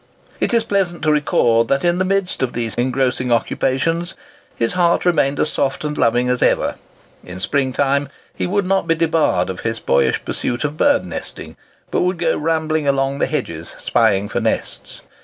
It is pleasant to record that in the midst of these engrossing occupations, his heart remained as soft and loving as ever. In spring time he would not be debarred of his boyish pursuit of bird nesting; but would go rambling along the hedges spying for nests.